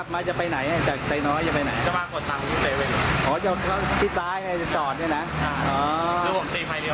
แล้วไฟเป็นไรลูก